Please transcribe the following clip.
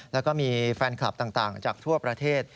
แล้วก็มีแฟนคลับต่างจากทั่วประเทศ